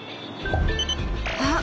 あっ！